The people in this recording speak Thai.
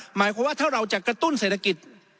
หมายความว่าถ้าเราจะกระตุ้นเศรษฐกิจ